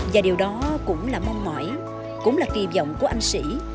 và điều đó cũng là mong mỏi cũng là kỳ vọng của anh sĩ